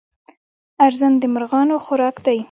ارزن د مرغانو خوراک دی.